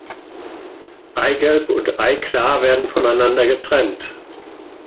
Eigelb und Eiklar werden voneinander getrennt.